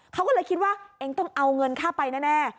เขาก็เลยคิดว่าเองต้องเอาเงินค่าไปแน่